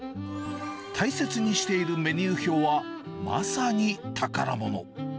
大切にしているメニュー表は、まさに宝物。